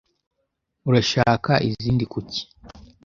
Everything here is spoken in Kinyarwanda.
Urashaka izindi kuki?